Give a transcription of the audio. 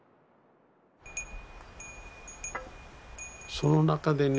その中でね